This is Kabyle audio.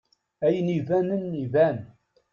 Ayen ibanen iban.